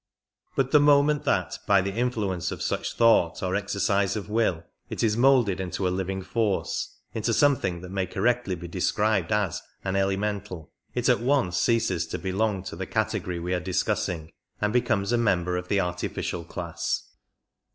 But the moment that by the influence of such thought or exercise of will it is moulded into a living force — into something that may correctly be described as an elemental — it at once ceases to belong to the category we are discussing, and becomes a member of the artificial class.